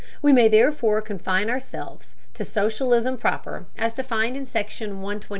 We may, therefore, confine ourselves to socialism proper, as defined in Section 122. 124.